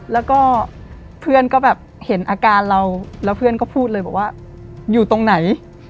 แล้วก็เพื่อนก็แบบเห็นอาการเราแล้วเพื่อนก็พูดเลยบอกว่าอยู่ตรงไหน